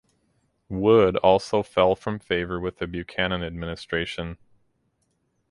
Wood also fell from favor with the Buchanan administration.